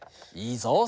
いいぞ